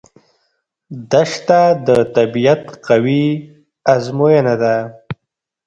دښته د طبیعت قوي ازموینه ده.